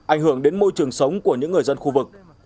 ảnh hưởng đến môi trường sống của những người dân khu vực